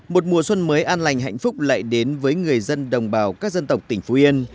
một mùa xuân mới an lành hạnh phúc lại đến với người dân đồng bào các dân tộc tỉnh phú yên